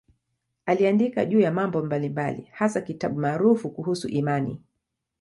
Aliandika juu ya mambo mbalimbali, hasa kitabu maarufu kuhusu imani.